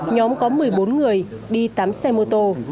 nhóm có một mươi bốn người đi tám xe mô tô